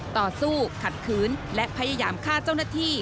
ต่อสู้ขัดขืนและพยายามฆ่าเจ้าหน้าที่